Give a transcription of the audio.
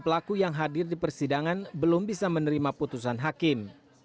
pelaku yang hadir di persidangan belum bisa menerima putusan hakim